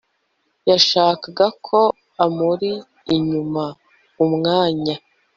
yashakaga ko amuri inyuma, umwanya